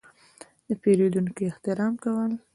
– د پېرودونکو احترام کول.